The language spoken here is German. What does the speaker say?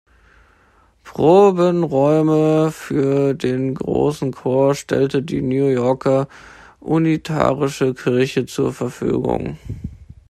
Probenräume für den großen Chor stellte die New Yorker unitarische Kirche zur Verfügung.